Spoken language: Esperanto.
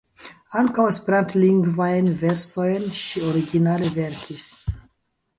Ankaŭ esperantlingvajn versojn ŝi originale verkis.